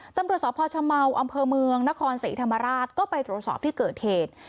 ตำรวจสพชเมาอำเภอเมืองนครศรีธรรมราชก็ไปตรวจสอบที่เกิดเหตุ